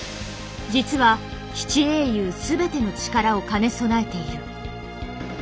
実は七英雄全ての力を兼ね備えている。